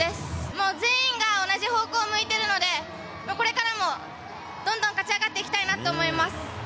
もう全員が同じ方向を向いてるので、これからもどんどん勝ち上がっていきたいなと思います。